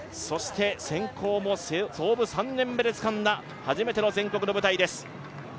センコーも創部３年目でつかんだ初めての全国の舞台です。